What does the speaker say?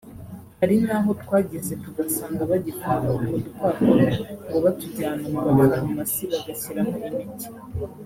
hari n’aho twageze tugasanga bagifunga utwo dupapuro ngo batujyana mu mafarumasi bagashyiramo imiti